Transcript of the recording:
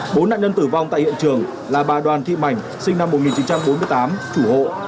bốn nạn nhân tử vong tại hiện trường là bà đoàn thị mảnh sinh năm một nghìn chín trăm bốn mươi tám chủ hộ